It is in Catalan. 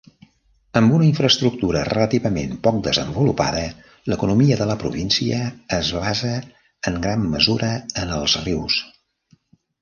Amb una infraestructura relativament poc desenvolupada, l'economia de la província es basa en gran mesura en els rius.